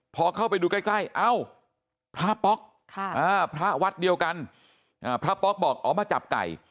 พอเข้าไปดูใกล้เอ้าพระป๊อกพระวัดเดียวกันพระป๊อกบอกอ๋อมาจับไก่